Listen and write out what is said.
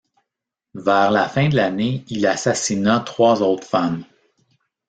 Vers la fin de l’année, il assassina trois autres femmes.